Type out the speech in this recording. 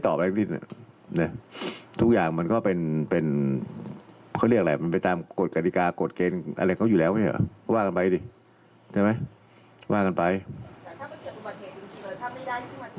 แต่ถ้าเป็นเกี่ยวกับประเทศจริงหรือถ้าไม่ได้ที่ประเทศ